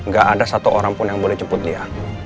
gak ada satu orang pun yang boleh jemput dia